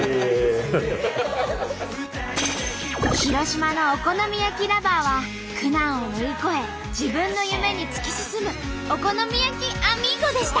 広島のお好み焼きＬｏｖｅｒは苦難を乗り越え自分の夢に突き進むお好み焼きアミーゴでした！